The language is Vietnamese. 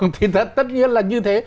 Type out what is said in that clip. thì tất nhiên là như thế